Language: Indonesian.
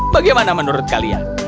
bagaimana menurut kalian